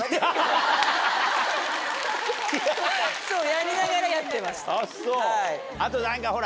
やりながらやってました。